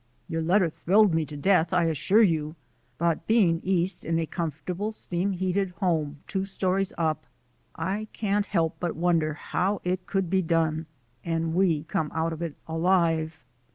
Your letter thril led me to death, I assure you, but being East in a comfortable, steam heated home, two stories up, I can't help but wonder how it could be done, and we come out of it alive.